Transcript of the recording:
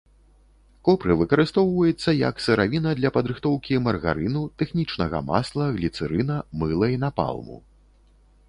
Копры выкарыстоўваецца як сыравіна для падрыхтоўкі маргарыну, тэхнічнага масла, гліцэрына, мыла і напалму.